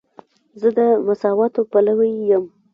زه د مساواتو پلوی یم.